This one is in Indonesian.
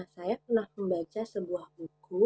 saya pernah membaca sebuah buku